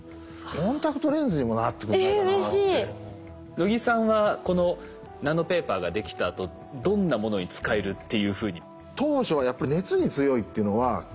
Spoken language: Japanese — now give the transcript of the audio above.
能木さんはこのナノペーパーができたあとどんなものに使えるっていうふうに？